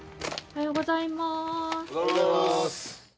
おはようございます。